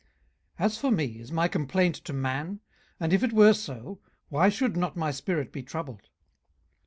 18:021:004 As for me, is my complaint to man? and if it were so, why should not my spirit be troubled?